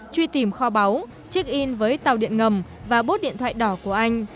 truy tìm kho báu check in với tàu điện ngầm và bốt điện thoại đỏ của anh